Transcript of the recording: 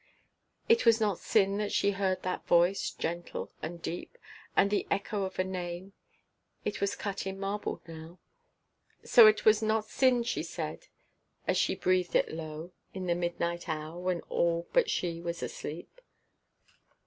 It was not sin that she heard that voice, gentle and deep, And the echo of a name it was cut in marble now So it was not sin, she said, as she breathed it low In the midnight hour when all but she were asleep.